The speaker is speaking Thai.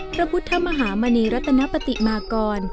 พระพุทธมหามณีรัตนปฏิมากร